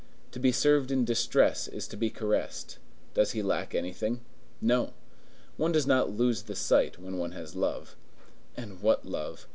To be served in distress is to be caressed. Does he lack anything? No. One does not lose the sight when one has love. And what love!